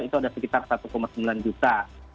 itu ada sekitar satu sembilan juta